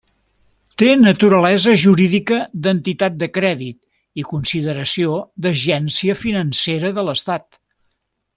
Té naturalesa jurídica d'entitat de crèdit i consideració d'Agència Financera de l'Estat.